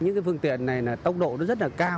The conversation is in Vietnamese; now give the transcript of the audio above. những cái phương tiện này là tốc độ nó rất là cao